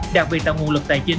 đặc biệt tạo nguồn lực tài chính